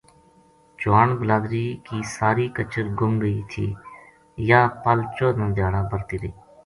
چوہان بلادری کی ساری کچر گُم گئی تھی یاہ پل چودہ دھیاڑا برہتی رہی